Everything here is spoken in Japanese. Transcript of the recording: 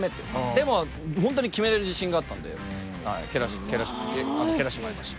でも本当に決められる自信があったんで蹴らしてもらいました。